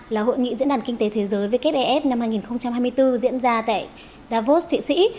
là hội nghị diễn đàn kinh tế thế giới wfef năm hai nghìn hai mươi bốn diễn ra tại davos thụy sĩ